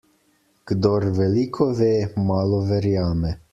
Kdor veliko ve, malo verjame.